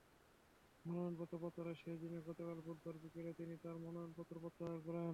মনোনয়নপত্র প্রত্যাহারের শেষ দিনে গতকাল বুধবার বিকেলে তিনি তাঁর মনোনয়নপত্র প্রত্যাহার করেন।